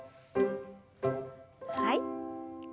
はい。